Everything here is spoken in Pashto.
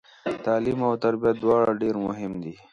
تعلیم او تربیه دواړه ډیر مهم دي